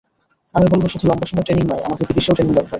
আমি বলব, শুধু লম্বা সময় ট্রেনিং নয়, আমাদের বিদেশেও ট্রেনিং দরকার।